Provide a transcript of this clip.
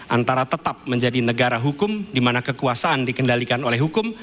antara tetap menjadi negara hukum di mana kekuasaan dikendalikan oleh hukum